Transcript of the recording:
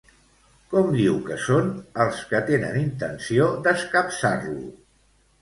Com diu que són els que tenen intenció d'escapçar-lo?